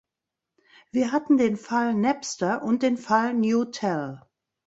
Wir hatten den Fall Napster und den Fall New Tell.